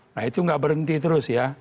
nah itu nggak berhenti terus ya